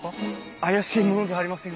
怪しい者ではありません。